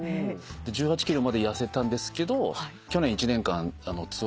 １８ｋｇまで痩せたんですけど去年１年間ツアーをして。